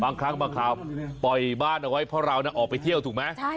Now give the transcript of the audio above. บางครั้งบางคราวปล่อยบ้านเอาไว้เพราะเราออกไปเที่ยวถูกไหม